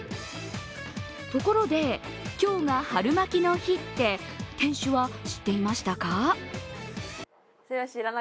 ところで、今日が春巻きの日って店主は知っていましたか？